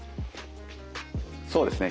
そうですね